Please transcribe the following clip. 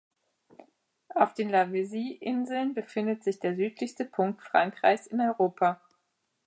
Auf den Lavezzi-Inseln befindet sich der südlichste Punkt Frankreichs in Europa.